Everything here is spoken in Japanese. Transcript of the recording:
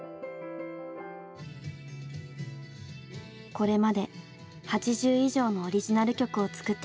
これまで８０以上のオリジナル曲を作ってきました。